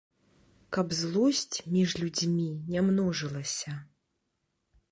Каб злосць між людзьмі не множылася.